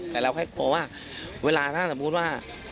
แต่เราแค่กลัวว่าเวลาถ้าสมมุติว่า